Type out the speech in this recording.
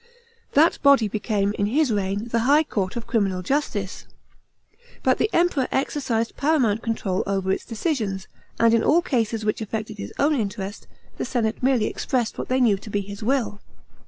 That body became, in his reign, the high court of criminal justice. But the Emperor exercised paramount control over its decisions; and in all cases which affected his own interest, the senate merely expressed what they knew to be his will.